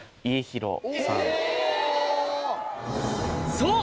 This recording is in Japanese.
そう！